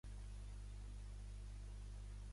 Una noia neuròtica, senyor, hi estic d'acord.